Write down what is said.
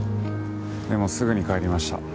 でもすぐに帰りました。